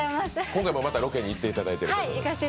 今回も、またロケに行っていただいて。